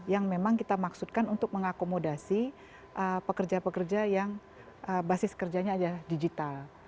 yang memang kita maksudkan untuk mengakomodasi pekerja pekerja yang basis kerjanya adalah digital